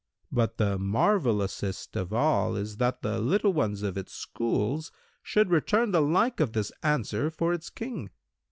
But the marvelousest of all is that the little ones of its schools should return the like of this answer for its King.